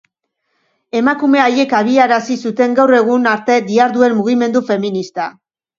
Emakume haiek abiarazi zuten gaur egun arte diharduen mugimendu feminista.